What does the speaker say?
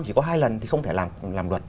chỉ có hai lần thì không thể làm luật